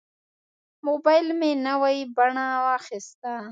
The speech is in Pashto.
موبایل مې نوې بڼه واخیسته.